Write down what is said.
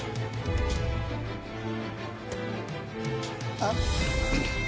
あっ。